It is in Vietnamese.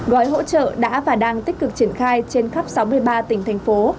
gói hỗ trợ đã và đang tích cực triển khai trên khắp sáu mươi ba tỉnh thành phố